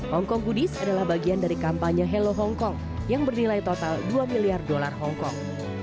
hongkong goodes adalah bagian dari kampanye hello hongkong yang bernilai total dua miliar dolar hongkong